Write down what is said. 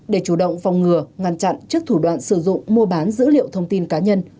để chủ động phòng ngừa ngăn chặn trước thủ đoạn sử dụng mua bán dữ liệu thông tin cá nhân